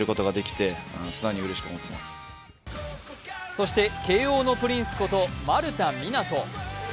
そして、慶応のプリンスこと丸田湊斗。